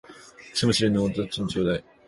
草むしりのお駄賃ちょうだい。